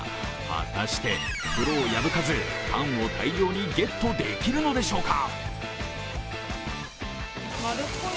果たして袋を破かずパンを大量にゲットできるのでしょうか。